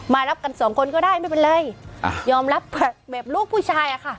มารับกันสองคนก็ได้ไม่เป็นไรอ่ายอมรับแบบลูกผู้ชายอะค่ะ